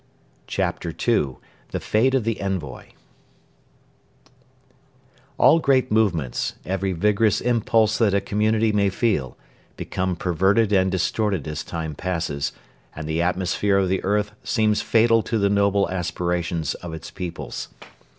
CHAPTER II: THE FATE OF THE ENVOY All great movements, every vigorous impulse that a community may feel, become perverted and distorted as time passes, and the atmosphere of the earth seems fatal to the noble aspirations of its peoples.